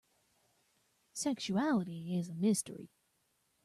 Sexuality is a mystery.